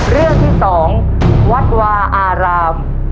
เรื่องที่๒วัดวาอาราม